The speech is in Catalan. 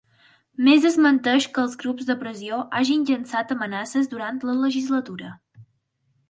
Més desmenteix que els grups de pressió hagin llançat amenaces durant la legislatura